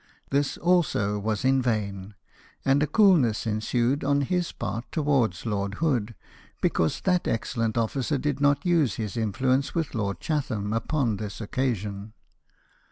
This also was in vain ; and a coolness ensued, on his part, towards Lord Hood, because that excellent officer did not use his influence with Lord Chatham upon this occasion.